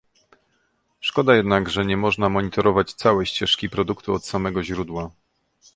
Szkoda jednak, że nie można monitorować całej ścieżki produktu od samego źródła